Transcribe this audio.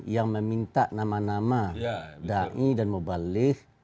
yang meminta nama nama da'i dan mubalikh